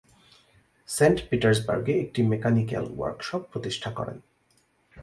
Saint পিটার্সবার্গে একটি mechanical workshop প্রতিষ্ঠা করেন।